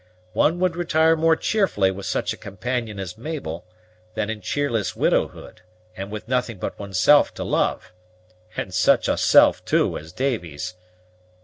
One would retire more cheerfully with such a companion as Mabel, than in cheerless widowhood, and with nothing but oneself to love, and such a self, too, as Davy's!"